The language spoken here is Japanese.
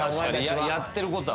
やってることは。